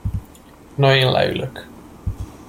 Na én leülök.